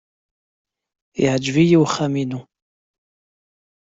Yeɛjeb-iyi uxxam-inu.